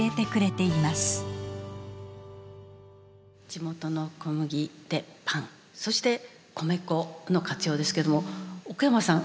地元の小麦でパンそして米粉の活用ですけども奥山さん